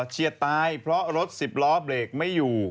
เชียดตายเพราะรถสิบล้อเบรกไม่อยู่